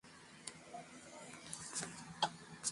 Maana kama siku ya leo inaisha